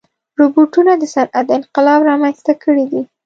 روبوټونه د صنعت انقلاب رامنځته کړی دی.